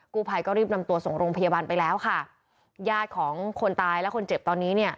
กู้ภัยก็รีบนำตัวส่งโรงพยาบาลไปแล้วค่ะญาติของคนตายและคนเจ็บตอนนี้เนี่ย